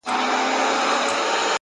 مثبت لید د ستونزو بڼه بدلوي.!